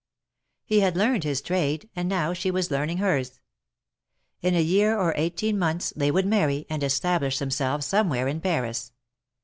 He had learned his trade, and now she was learning hers. In a year or eighteen months they would marry, and establish themselves somewhere in Paris.